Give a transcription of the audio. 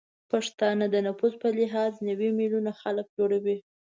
پښتانه د نفوس به لحاظ نوې میلیونه خلک جوړوي